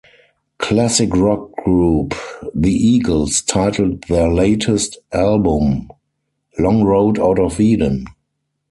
Classic rock group The Eagles titled their latest album "Long Road Out of Eden".